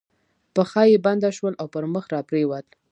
پښه یې بنده شول او پر مخ را پرېوت.